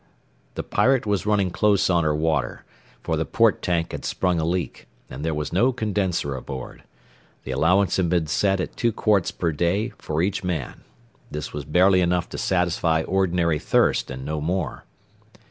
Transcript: The Pirate was running close on her water, for the port tank had sprung a leak, and there was no condenser aboard. The allowance had been set at two quarts per day for each man. This was barely enough to satisfy ordinary thirst and no more.